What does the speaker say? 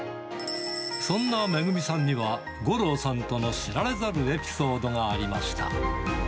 そんなめぐみさんには、五郎さんとの知られざるエピソードがありました。